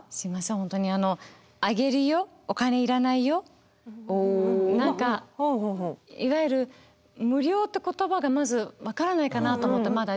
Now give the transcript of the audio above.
本当にあの何かいわゆる無料って言葉がまず分からないかなと思ってまだ。